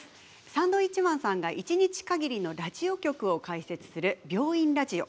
サンドウィッチマンさんが一日かぎりのラジオ局を開設する「病院ラジオ」